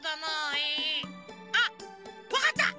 えあっわかった！